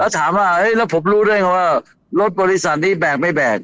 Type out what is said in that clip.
ถามว่าแล้วผมรู้ด้วยว่ารถบริษัทนี้แบกไม่แบก